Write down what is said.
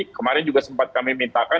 kemarin juga sempat kami mintakan